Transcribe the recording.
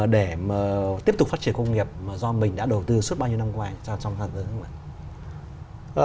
để tiếp tục phát triển công nghiệp do mình đã đầu tư suốt bao nhiêu năm qua trong gia đình